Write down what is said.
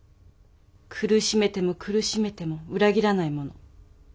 苦しめても苦しめても裏切らないもの。